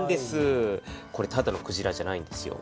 これただのクジラじゃないんですよ。